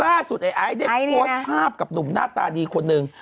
ไอ้ไอซ์ได้โพสต์ภาพกับหนุ่มหน้าตาดีคนหนึ่ง